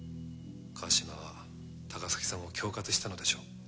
川島は高崎さんを恐喝したのでしょう。